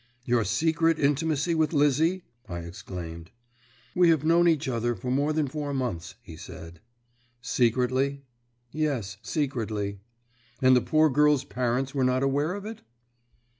"Your secret intimacy with Lizzie?" I exclaimed. "We have known each other for more than four months," he said. "Secretly?" "Yes, secretly." "And the poor girl's parents were not aware of it?"